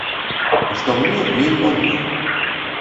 Што мне не імпануе.